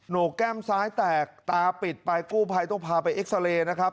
หนูแก้มซ้ายแตกตาปิดไปกู้ภัยต้องพาไปเอ็กซาเรย์นะครับ